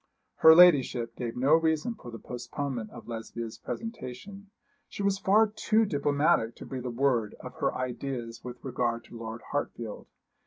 Her ladyship gave no reason for the postponement of Lesbia's presentation. She was far too diplomatic to breathe a word of her ideas with regard to Lord Hartfield.